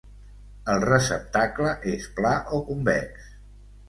El receptacle és pla o convex.